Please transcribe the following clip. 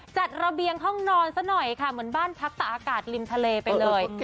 ระเบียงห้องนอนซะหน่อยค่ะเหมือนบ้านพักตะอากาศริมทะเลไปเลย